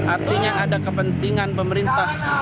artinya ada kepentingan pemerintah